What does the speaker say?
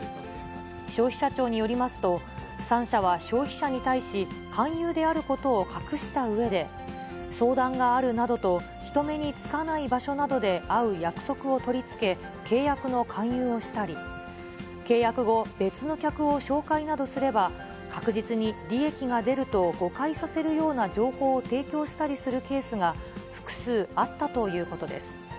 消費者庁によりますと、３社は消費者に対し、勧誘であることを隠したうえで、相談があるなどと人目につかない場所などで会う約束を取り付け、契約の勧誘をしたり、契約後、別の客を紹介などすれば確実に利益が出ると誤解させるような情報を提供したりするケースが、複数あったということです。